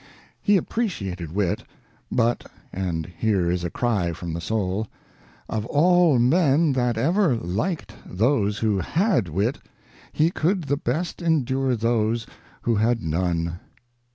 He appreciated wit, but (and here is a cry from the soul) ' of all Men that ever liked those who had Wit, he could the best endure those who had none